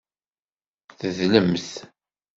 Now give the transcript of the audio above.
Tedlemt.